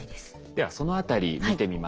ではそのあたり見てみましょう。